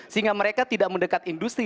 sehingga mereka tidak mendekat industri